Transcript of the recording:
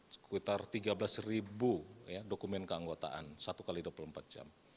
sekitar tiga belas dokumen keanggotaan satu x dua puluh empat jam